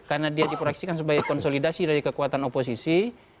karena dia di proyeksikan sebagai konsolidasi dari kekuatan oposisi